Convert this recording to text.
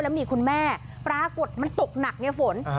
แล้วมีคุณแม่ปรากฏมันตกหนักเนี่ยฝน